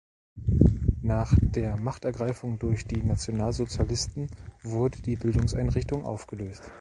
Nach der Machtergreifung durch die Nationalsozialisten wurde die Bildungseinrichtung aufgelöst.